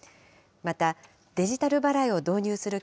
また、デジタル払いを導入する企